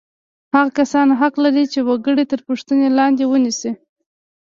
هغه کسان حق لري چې وګړي تر پوښتنې لاندې ونیسي.